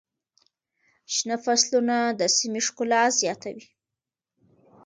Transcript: شنه فصلونه د سیمې ښکلا زیاتوي.